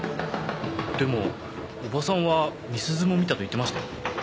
でもおばさんは美鈴も見たと言ってましたよ。